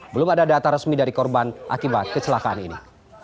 belum ada data resmi dari korban akibat kecelakaan ini